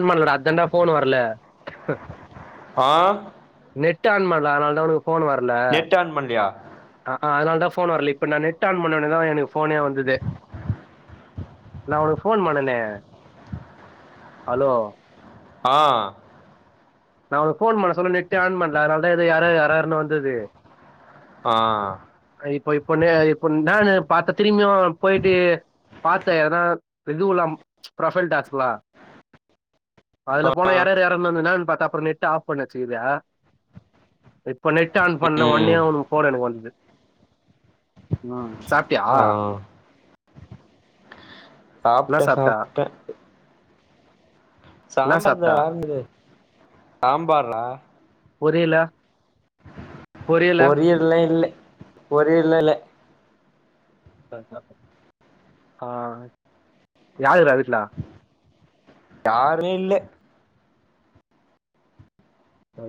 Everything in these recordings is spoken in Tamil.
சும்மா இல்லடா அர்ஜெண்டா போன் வரல ஆ நெட் ஆன் பண்ல அதனாலதா உனக்கு ஃபோன் வரல நெட் ஆன் பண்லையா அ ஆ அதனாலதா ஃபோன் வரல இப்ப நா நெட் ஆன் பண்ணவுன்னேதா எனக்கு ஃபோனே வந்தது. நா உனக்கு ஃபோன் பண்ணனே ஹலோ ஆ நா உனக்கு ஃபோன் பண்ண சொல்ல நெட்டு ஆன் பண்ல அதனாலதா இது எரர் ஏரர்ன்னு வந்துது ஆ இ இப்ப இப்ப நே இப்ப என்னானு பாத்தா திரும்பியு போயிட்டு பாத்தே ஏன்னா இதுக்குல்லாம் ஃப்ரொஃபைல் டாஸ்க்லா அதுல ஆ போனா எரர் எரர்னு இருந்துதுனா அப்ற நெட்டு ஆஃப் பண்ணி வச்சுக்குது இப்ப நெட் ஆன் ம் பண்ணவுன்னேயு உன்னோட ஃபோன் எனுக்கு வந்துது ம் சாப்ட்டியா? ஆ என்ன சாப்ட சாப்ட்ட சாப்ட என்ன சாம்பார்தா சாப்ட்ட வேறென்னது சாம்பாரா பொரியல பொரியல்லா இல்ல பொரியல்லா இல்ல [unintelligible] ஆ யார் இருகா வீட்ல யாரு இல்ல [unintelligible]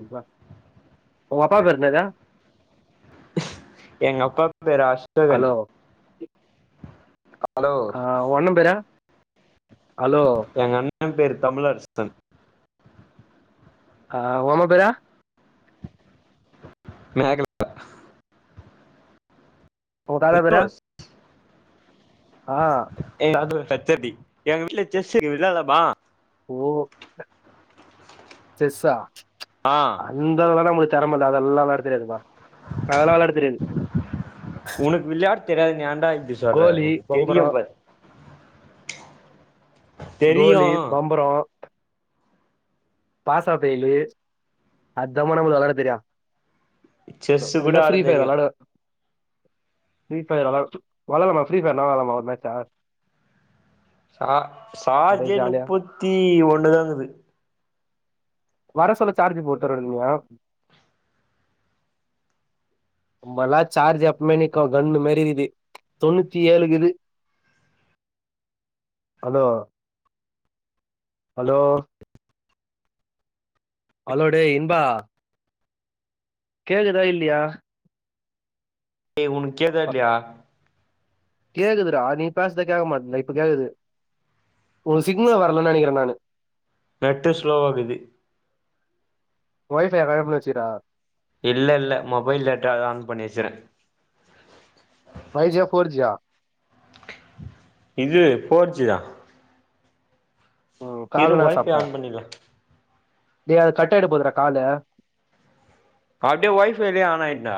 ஒங்க அப்பா பேர் என்னது எங்கப்பா பேரு அஷோகன் ஹலோ ஆ ஒ அண்ண‌ பேரா ஹலோ ண பேரு தமிழரசன் ஆ ஒ அம்மா பேரா மேகலா உங்க தாத்தா பேரா [unintelligible] ஆ [unintelligible] எங்க வீட்ல செஸ் இருக்கு விளாலாமா ஓ செஸ்ஸா அந்த வெளா நம்மளு தெறமல்ல அதெல்லா வெளாட தெரியாதுப்பா அதலா வெளாட தெரியாது தெரியாதுன் ஏன்டா இப் கோலி பம்பரொ தெரியு கோலி பம்பரொ பாஸா ஃபெயிலு அத்தாமா நம்மள் வெளாட தெரியு செஸ்ஸு இல்ல கூட ஆட ஃப்ரீஃபையர் தெரியு வெளாடுவெ ஃப்ரீ ஃபையர் வெளால் வெளாலாமா ஃப்ரீஃபயர்னா வெளாலாமா ஒரு மேட்ச்சா ச சார்ஜே முப்பத்தி ஒ ன்னுதா இக்குது வர சொல்ல சார்ஜு போட்டு வரதுமினியா நம்மள்லா சார்ஜு எப்பமே நிக்கு கன்னு மாரிகிது தொண்ணூத்தி ஏழுகுது ஹலோ ஹலோ ஹலோ டேய் இன்பா கேக்குதா இல்லியா ஏ உனக் கேக்குதா இல்யா கேக்குதுடா நீ பேசுத கேட்க மாட்ட இப்ப கேக்குது உ சிக்னல் வரலன்னு நினைக்கிறே நானு நெட்டு ஸ்லோவாக்குது ஒய்ஃவை கணட் பண்ணி வச்சுடா இல்லல்ல மொபைல் டேட்டா ஆன் பண்ணிட்டு ஃபைஜியா ஃபோர் ஜியா இது ஃபோர்ச்சுதா ம் இரு காலைல நான் வொய் ஃவை சாப்பிட்டா ஆன் பண்ணிர டேய் அது கட் ஆகிட போதுடா காலு அப்டியே ஒய்ஃவை லயே ஆனாய்ன்டா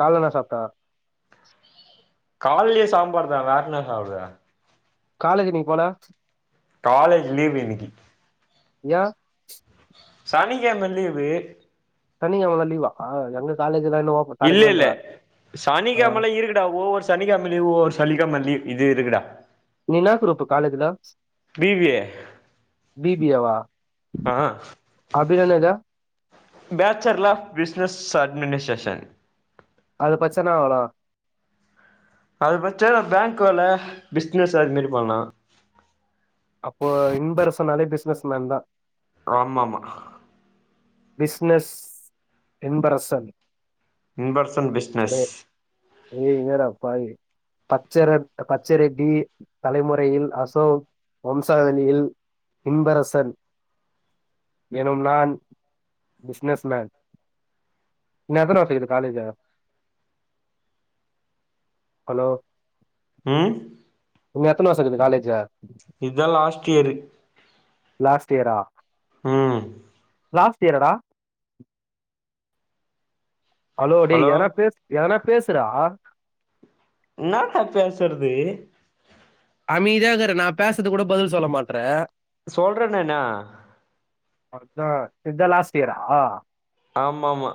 காலன்ன சாப்ட்ட கால்லியே சாம்பார் தா வேற என்ன சாப்டுவ காலேஜ் நீ போல காலேஜ் லீவ் இன்னிக்கி ய சனிக்கிழம லிவ்வு சனிக்கிழமலா லீவா எங்க காலேஜ் எல்லாம் இன்னும் திறக்கவே இல்லல்ல இல்லடா ஆ சானிகெழம லா இருகுடா ஓவ்வொர் சானிகெழம ஓவ்வொ சலிக மல்லிவ் இது இருகுடா நீ இன்னாக்குரூப்பு காலஜ்ல பி பி ஏ பிபியேவா ஆ அப்டினா இன்னாது பேச்சர் லாஃப் பிஸ்னஸ் அட்மினிஷேஷன் அது பச்சன்னாவளா அது பச்சா பேங்க் வேல பிசினஸ் அது மாரி பண்ணலா அப்போ இன்பரசன் நாலே பிஸ்னஸ்மேன் தா ஆமாம்மா பிஸ்னஸ் என்பரசன் இன்பர்சன் பிஸ்னஸ் அ யே இல்லடாப்பாவி பச்சர பச்சரெட்டி தலைமுறையில் அசோக் வம்சாவழியில் இன்பரசன் எனும் நான் பிஸ்னஸ்மேன் இன்னயெத்தன வர்ஸ்ச இருக் காலேஜ் ஹலோ ம் இன்னு எத்துன வருசகீது காலேஜு இதுதா லாஸ்ட் இயரு லாஸ்ட் இயரா ம் லாஸ்ட் இயராடா ஹலோ டே ஏதன பே ஏதன பேசுறா என்னக்க பேசறது அமீதியாக்கர நா பேசது கூட பதில் சொல்ல மாட்ற சொல்றனேன்னா அதா இதா லாஸ்ட் இயரா ஆமாம்மா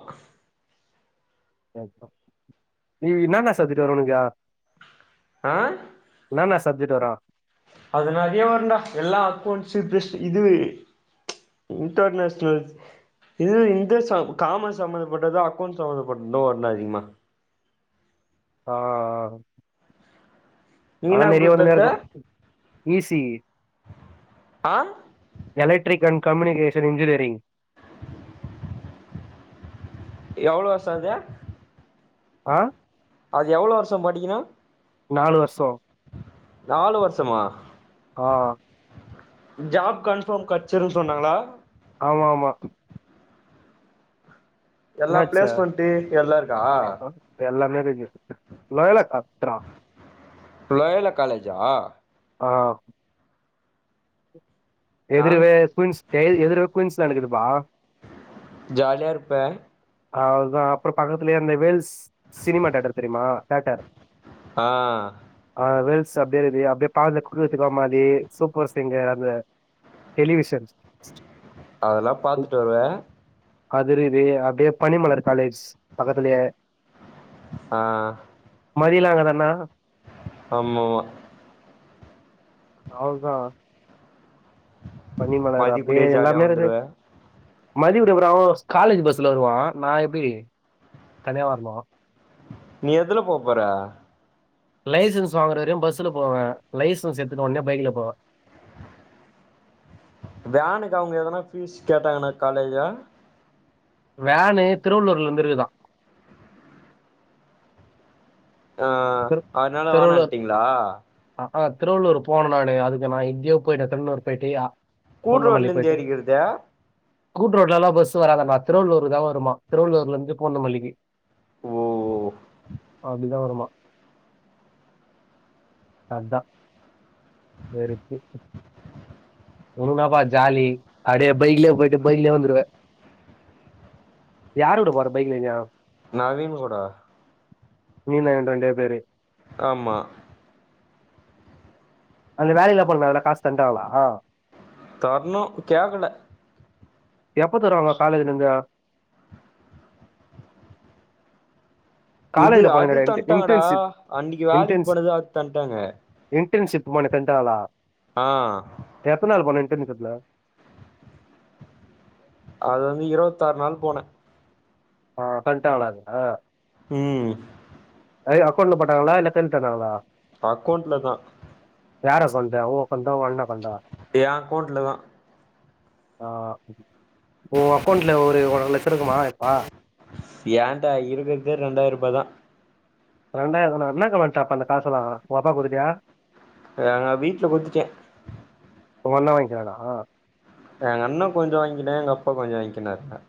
நீ என்னன்னா கத்துட்டு வர உனக்கு ஆ என்னனா சப்ஜட்டு வர அது நெறைய வருன்டா எல்லா அக்கவுண்ட்ஸ் பிஸ் இது இன்டர்நேஷனல் இது இந்த சா காமன் சம்ம்பந்தப்பட்டது அக்கவுண்ட் சம்பந்தப்பட்டது வருண்டா அதிகமா ஆ ஆ நீ ஆனா என்னா நெறைய குரூப் வந்து எடுத்த நேருக்கு ஈசி ஆ எலக்ட்ரிக் கன் கம்முனிகேஷன் இன்ஜினியரிங் எவ்வளோ வருஷோ அது ஆ அது எவ்ளோ வர்ஷம் படிக்கணு நாலு வர்ஷோ நாலு வருஷமா ஆ ஜாப் கன்ஃபர்ம் கெச்சுருன் சொன்னாங்களா ஆமாமா எல்லா என்னாச்சு பிளேஸ்மெண்டு எல்லா இருக்கா இன்டர்வியூ இருக்கு லோயலா காத்றா லயோலா காலேஜா ஆ நான் எதுருவே குவின்ஸ் எ எதுரு குவின்ஸ் லனுக்குதுப்பா ஜாலியா இருப்ப அதா அப்பறோ பக்கத்லயே அந்த வேல்ஸ் சினிமா டேட்டர் தெரிமா டேட்டர் ஆ அ வேல்ஸ் அப்டியே ரிவ்யு அப்டியே பாலக்கு த்து கோமாரி சூப்பர் சிங்கர் அத டெலிவிஷன்ஸ் அதெல்லா பாத்துட்டு வருவ கதுருது அப்டியே பனிமலர் காலேஜ் பக்கத்துலியே ஆ மதியிலாங்கடனா ஆமாமா அவ்ளோதா பனிமலர் மதிய அப்டியே கூடயே ஜாலியா எல்லாமே இருது வந்துருவே மதியுடைய ஒரு அவ்வோர்ஸ் காலேஜ் பஸ்ல வருவா நா எப்டி தனியா வரணு நீ எதுல போ போற லைசன்ஸ் வாங்குற வரையு பஸ்ல போவ லைசன்ஸ் எத்துட்ட ஒடனே பைக்கில போவ வேனுக்கா அவங்க எதனா பீஸ் கேட்டாங்கன்னா காலேஜ்ல வேனு திருவள்ளூர்ல இருந்துருத்துதா ஆ அதுனால வேணான்டீங்களா ஆ திருவள்ளூர் போன நானு அதுக்கு நா இந்தியாவுக் போயி திருவள்ளூர் போயிட்டு அ கூடு ரோட்ல இருந்து ஏறிக்கிறதா கூட்டு் ரோட்ல எல்லா பஸு வராதாம்மா திருள்ளூர்க்குதா வருமா திருவள்ளூர்ல இருந்து பூந்த மல்லிக்கு ஓ அது என்ன வருமா அதா சேரி சிப் உனக்கு என்னப்பா ஜாலி அப்டியே பைக்லயே போயிட்டு பைக்லயே வந்துருவ யாரோட போற பைக்லயா நவீன் கூட நீ நா [unintelligible] கரு ஆமா அந்த வேலையில பண்ணாங்கல காஸ் தந்துட்டாங்களா தர்ணு கேக்கல எப்ப தருவாங்க காலைலிஜ்ஜா இது அது தண்டாங்கடா இன்டர்ன்ஷிப் அன்னிக்கி வேலைக்கி போனது அது தண்டாங்க இன்டன்ஷிப் மோனை தந்டாங்களா ஆ தண்ணி கொட்ல அது வந்து இருவத்தாறு நாள் போனே ஆ தண்டாங்காள அதுல உம் அதை அக்கவுண்ட்ல போட்டாங்களா இல்ல கை தந்தாங்களா அக்கவுண்ட்ல தா யாரு அக்கவுண்டு உ ஏ அக்கவுண்டுல தா ஆ ஓ அக்கவுண்ட்ல ஒரு ஒர் லட்சு இருக்குமா எப்பா ஏன்டா இருக்கறதே ரெண்டாயிர ரூபா தா ரெண்டாயிர தானா என்ன கணக்குதா அப்ப அந்த காசயெல்லா ஓ அப்பாக்கு குடுத்துட்டியா ஆ நா வீட்ல குடுத்துட்டே உங்க அண்ணே வாங்கிக்கிறான எ அண்ணா கொஞ்ச வாங்கிக்கினா எங்க அப்பா கொஞ்சோ வாங்கிக்கினாரு ந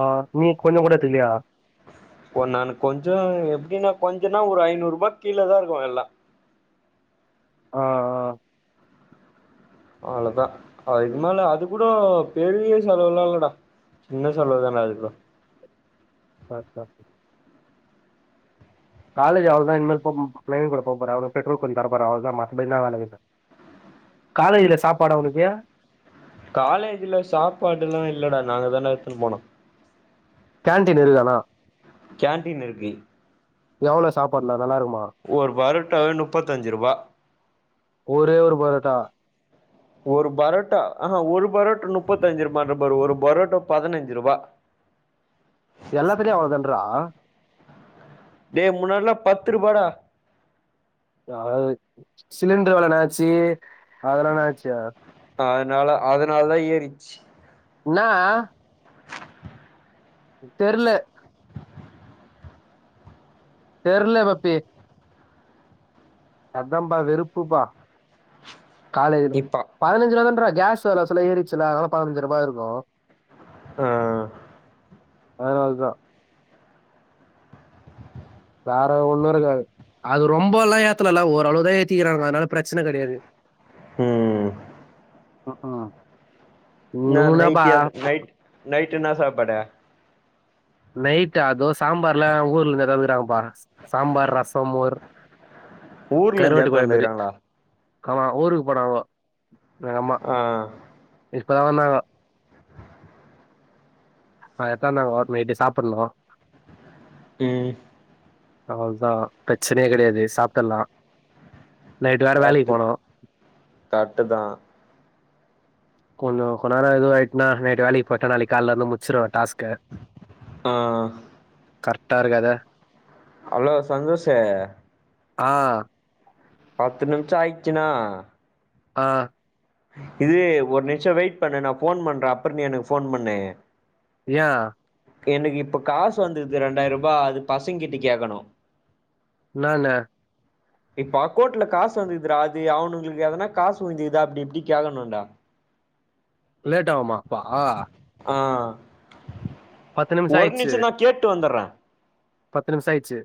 ஆ நீ கொஞ்ச கூட எத்துக்கிலீயா ஓ நா கொஞ்ச எப்படின்னா கொஞ்சன்னா ஒரு ஐநூறு ரூபா கீழ தா இருக்கு எல்லா ஆஹா அவ்ளோதா அதுக்கு மேல அது கூட பெரிய செலவுலா இல்லடா சின்ன செலவு தான அது கூட [unintelligible] காலேஜ் அவ்ளதே இனிமேல் போம் பிளைன் கூட போ போறே அவுனுங் பெட்ரோல் கொஞ்சு தர போற அவ்ளோதா மத்தபடிலா வேல இல்ல காலையில சாப்பாடு அவுனுக்கு காலேஜ்ல சாப்பாடு எல்லா இல்லடா நாங்கதாட எத்துன்னு போனு கேன்டீன் இருக்கு அனா கேன்டீன் இருக்கு எவ்ளோ சாப்பாடுலா ஒரு பரோட்டாவே முப்பத்தஞ்சு ருவா ஒரே ஒரு பரோட்டா ஒரு பரோட்டா அஹா ஒரு பரோட் முப்பத்தஞ்சு ரூபான்ற பாரு ஒரு பரோட்டா பதினஞ்சு ருவா எல்லா பெரிய அவ்ளோதன்றா டே முன்னாடில்லா பத்து ருவாடா [unintelligible] சிலிண்ட்ர் வெல என்னாச்சி அதுல என்னாச்சா அதுனால அதுனால்தா ஏறிச்சு ன்னா தெர்ல தெர்ல பப்பி அதாம்பா வெறுப்புப்பா காலையில இப்ப பதினஞ்சுருவா தான்றா கேஸ் வர சொல்ல ஏரிச்சலாகு அதனால பதனஞ்சு ரூபா இருக்கு ஆ அதனாலதா வேற ஒண்ணு இருக்காது அது ரொம்ப எல்லா ஏத்துலல்ல ஓரளவுதா ஏத்திருக்குறாங்கோ அதனால பிரச்சன கெடையாது ம் ம் ம் இன்னா நைட்டி அது நைட் நைட்டு இன்னா சாப்பாடு? நைட்டா அது சாம்பார்லா ஊர்ல இருந்து எடுத்து வந்துக்குறாங்கப்பா சாம்பார் ரசம் மோர் ஊர்ல இருந்து எட்த்து வந்துருக்குறாங்களா? க்காமா ஊருக்கு போனாங்கோ எங்கம்மா ஆ இத் இப்பதா வந்தாங்கோ அது எட்த்து வந்தாங்கோ நைட்டு சாப்புடணு ம் அவ்ளதா பிரச்சனையே கெடையாது சாப்ட்ரலா. கரெட்டு கரட்டுதா கொஞ்சோ கொஞ்ச நேரோ எதோ நைட்னா நைட்டு வேலைக்கி போயிட்டனா நாளைக்கி கால்ல வந்து முச்சுருவே டாஸ்க் ஆ கரெக்டா இருக்காது? ஹலோ சந்தோஷு ஆ பத்து நிமிஷோ ஆயிட்ச்சுனா ஆ இது ஒரு நிமிஷோ வெயிட் பண்ணு நா ஃபோன் பண்றே அப்புற நீ எனக்கு ஃபோன் பண்ணு. யே எனக்கு இப்ப காசு வந்துருக்குது ரெண்டாயர்ரூபா அது பசங்க கிட்ட கேக்கணு. என்னான்னு? இப்ப அக்கவுண்ட்ல காசு வந்துருக்குதுடா அது அவுனுங்களுக்கு எதனா காசு வந்துருக்குதா அப்டி இப்டி கேக்கணுன்டா. லேட் ஆவுமா அப்ப? ஆ நிமிஷோ ஒரு ஆயிடுச்சு நிமிஷம்தா கேட்டு வந்தர்றே. பத்து நிமிஷோ ஆயிட்ச்சு.